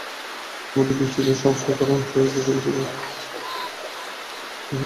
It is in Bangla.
সম্প্রতি বৃষ্টিতে সংস্কার করা অংশের কিছু কিছু স্থানেও খানাখন্দের সৃষ্টি হয়েছে।